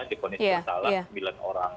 di kondisi bersalah sembilan orang